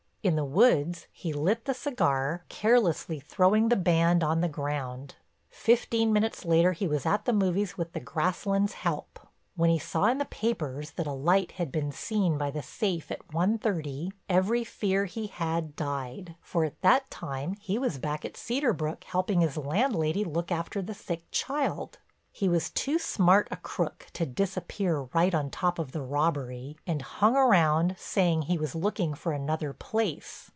In the woods he lit the cigar, carelessly throwing the band on the ground. Fifteen minutes later he was at the movies with the Grasslands help. When he saw in the papers that a light had been seen by the safe at one thirty every fear he had died, for at that time he was back at Cedar Brook helping his landlady look after the sick child. He was too smart a crook to disappear right on top of the robbery, and hung around saying he was looking for another place.